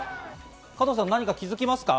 加藤さん、何か気づきますか？